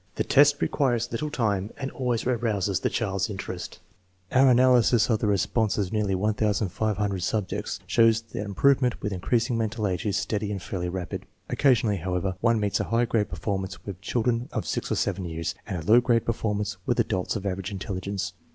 The test re quires little time and always arouses the child's interest. Our analysis of the responses of nearly 1500 subjects shows that improvement with increasing mental age is steady and fairly rapid. Occasionally, however, one meets a high grade performance with children of 6 or 7 years, and a low grade performance with adults of average intelli gence.